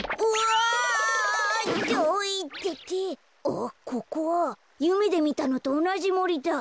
あっここはゆめでみたのとおなじもりだ。